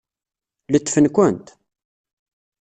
Letfen-kent?